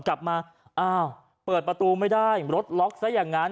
กลับมาอ้าวเปิดประตูไม่ได้รถล็อกซะอย่างนั้น